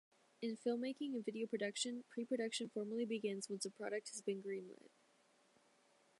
In filmmaking and video production, pre-production formally begins once a project has been greenlit.